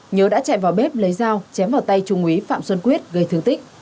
nhớ đã chạy vào bếp lấy dao chém vào tay trung úy phạm xuân quyết gây thương tích